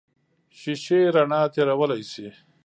شیشې رڼا تېرولی شي.